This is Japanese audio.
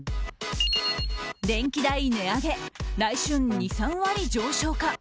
電気代値上げ来春２３割上昇か。